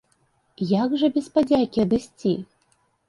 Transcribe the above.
Як жа без падзякі адысці?